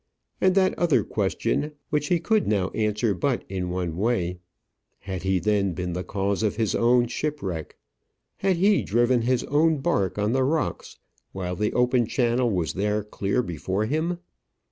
And that other question, which he could now answer but in one way. Had he then been the cause of his own shipwreck? Had he driven his own bark on the rocks while the open channel was there clear before him?